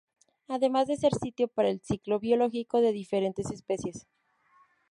Además de ser sitio para el ciclo biológico de diferentes especies.